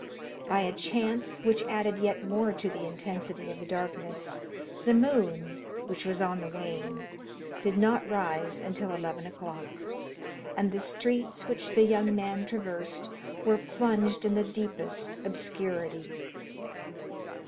By a chance, which added yet more to the intensity of the darkness, the moon, which was on the wane, did not rise until eleven o'clock, and the streets which the young man traversed were plunged in the deepest obscurity.